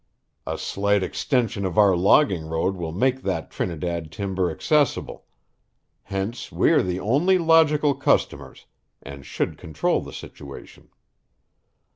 A slight extension of our logging road will make that Trinidad timber accessible; hence we are the only logical customers and should control the situation.